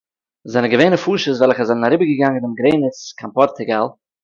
זענען געווען נפשות וועלכע זענען אַריבערגעגאַנגען דער גרעניץ קיין פּאָרטוגאַל